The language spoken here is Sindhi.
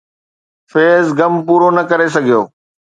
فيض غم پورو نه ڪري سگهيو